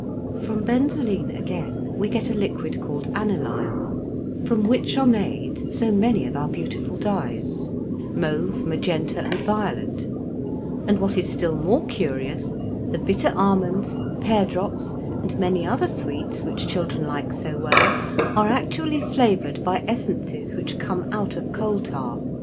From benzoline, again, we get a liquid called aniline, from which are made so many of our beautiful dyes mauve, magenta, and violet; and what is still more curious, the bitter almonds, pear drops, and many other sweets which children like to well, are actually flavoured by essences which come out of coal tar.